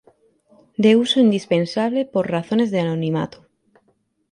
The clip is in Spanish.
de uso indispensable por razones de anonimato